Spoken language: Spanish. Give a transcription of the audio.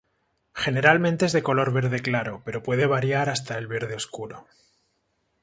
Generalmente es de color verde claro, pero puede variar hasta el verde oscuro.